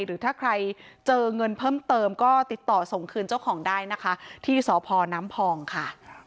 หรือถ้าใครเจอเงินเพิ่มเติมก็ติดต่อส่งคืนเจ้าของได้นะคะที่สพน้ำพองค่ะ